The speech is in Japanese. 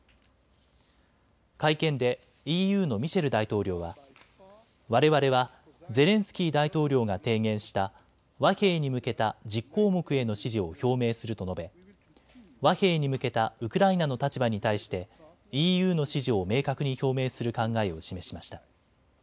会見でＥＵのミシェル大統領はわれわれはゼレンスキー大統領が提言した和平に向けた１０項目への支持を表明すると述べ、和平に向けたウクライナの立場に対してＥＵの支持を明確に表明する考えを示しました。